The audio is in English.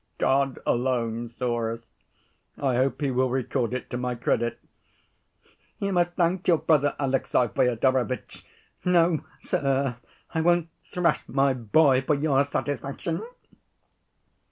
God alone saw us, I hope He will record it to my credit. You must thank your brother, Alexey Fyodorovitch. No, sir, I won't thrash my boy for your satisfaction."